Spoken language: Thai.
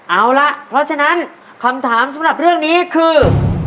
เอาล่ะเพราะฉะนั้นคำถามสำหรับเรื่องนี้คือ